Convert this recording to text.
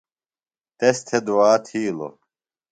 تس تھےۡ دعا تھِیلو۔